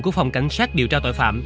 của phòng cảnh sát điều tra tội phạm